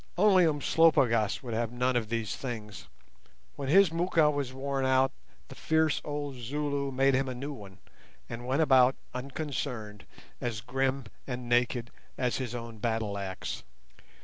Only Umslopogaas would have none of these things; when his moocha was worn out the fierce old Zulu made him a new one, and went about unconcerned, as grim and naked as his own battleaxe.